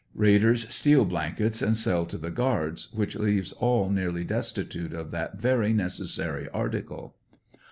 Raiders steal blankets and sell to the guards, which leaves all nearly desti tute of that very necessary article.